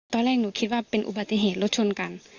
ตอนแรกหนูคิดว่าเป็นอุบัติเหตุรถชนกัน